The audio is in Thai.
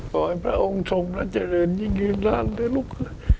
ขอให้พระองค์ทรงและเจริญยิ่งขึ้นนานเลยลูก